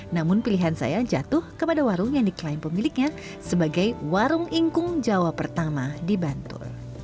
namun pilihan saya jatuh kepada warung yang diklaim pemiliknya sebagai warung ingkung jawa pertama di bantu